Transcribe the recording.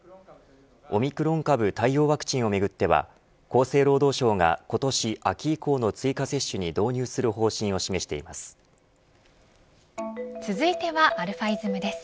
オミクロン株対応ワクチンをめぐっては厚生労働省が、今年秋以降の追加接種に導入する方針を示しています。